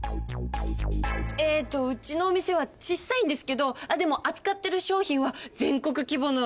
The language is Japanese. えとうちのお店はちっさいんですけどでも扱ってる商品は全国規模のやつで。